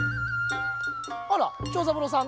あら長三郎さん